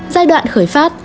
giai đoạn khởi phát